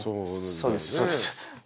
そうですそうです。